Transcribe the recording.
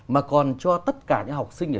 mà còn cho tất cả những học sinh